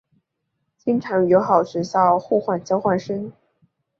经常与友好学校互换交换生。